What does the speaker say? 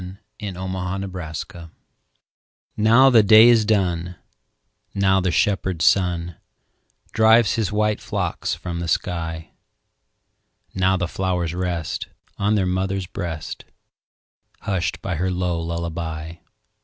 Louisa May Alcott Lullaby NOW the day is done, Now the shepherd sun Drives his white flocks from the sky; Now the flowers rest On their mother's breast, Hushed by her low lullaby.